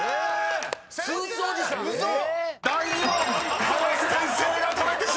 え⁉嘘⁉［第２問林先生が止めてしまった！］